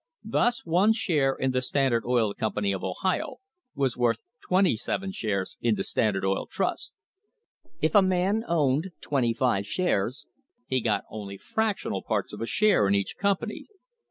Thus one share in the Standard Oil Company of Ohio was worth twenty seven shares in the Standard Oil Trust. If a man owned twenty five shares he got only fractional parts of a share in each company.